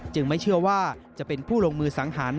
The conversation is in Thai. ไม่เชื่อว่าจะเป็นผู้ลงมือสังหาร